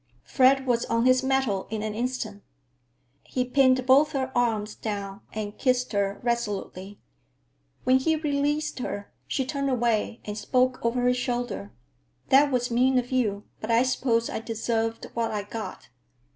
Fred was on his mettle in an instant. He pinned both her arms down and kissed her resolutely. When he released her, she turned away and spoke over her shoulder. "That was mean of you, but I suppose I deserved what I got."